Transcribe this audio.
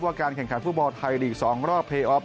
ว่าการแข่งขันฟุตบอลไทยลีก๒รอบเปลี่ยน